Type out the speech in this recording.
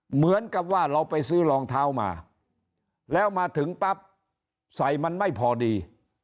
เหมือนกับว่าเราไปซื้อรองเท้ามาแล้วมาถึงปั๊บใส่มันไม่พอดี